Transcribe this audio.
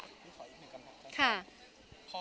พี่ขออีกหนึ่งคำถามครับ